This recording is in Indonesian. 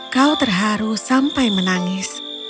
kau terharu sampai menangis